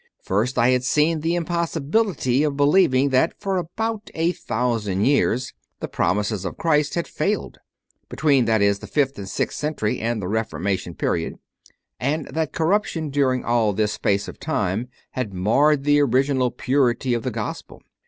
First, I had seen the impossibility of believing that for about a thousand years the promises of Christ had failed between, that is, the fifth or sixth century and the Reforma tion period and that corruption during all this space of time had marred the original purity of the Gospel.